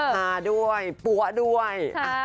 มาด้วยปั๊วด้วย